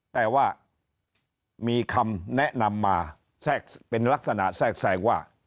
แต่ว่ามีคำแนะนำมาแทรกเป็นลักษณะแทรกแทรงว่า